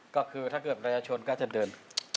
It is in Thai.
ก็คือถ้าเกิดประชาชนก็จะเดิน